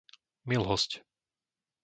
Milhosť